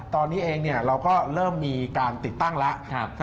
ตอนนี้เองเราก็เริ่มมีการติดตั้งแล้ว